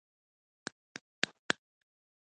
هوا مه ککړوه.